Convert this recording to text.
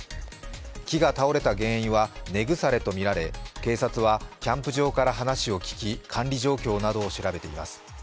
木が倒れた原因は根腐れとみられ、警察はキャンプ場から話を聞き管理状況などを調べています